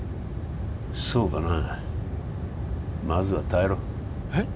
そうだなまずは耐えろえっ？